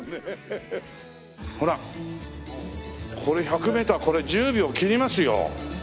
これ１０秒切りますよ。